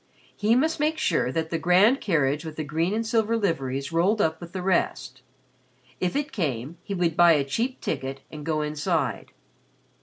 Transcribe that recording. He must make sure that the grand carriage with the green and silver liveries rolled up with the rest. If it came, he would buy a cheap ticket and go inside.